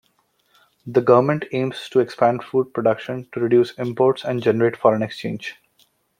The government aims to expand food production to reduce imports and generate foreign exchange.